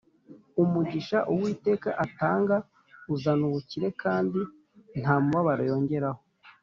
umugisha uwiteka atanga uzana ubukire, kandi nta mubabaro yongeraho